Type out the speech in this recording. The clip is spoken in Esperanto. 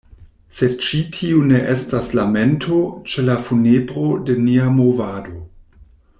Sed ĉi tiu ne estas lamento ĉe la funebro de nia movado.